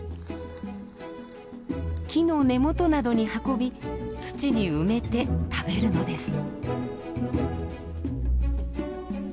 木の根元などに運び土に埋めて食べるのです。